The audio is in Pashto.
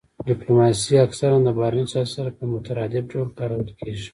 ډیپلوماسي اکثرا د بهرني سیاست سره په مترادف ډول کارول کیږي